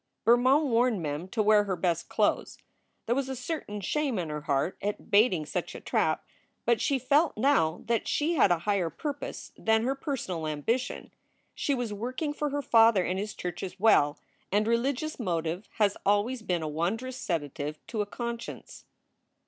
Bermond warned Mem to wear her best clothes. There was a certain shame in her heart at baiting such a trap, but she felt now that she had a higher purpose than her 326 SOULS FOR SALE personal ambition. She was working for her father and his church as well; and religious motive has always been a wondrous sedative to a conscience.